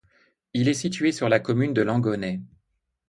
Il est situé sur la commune de Langonnet.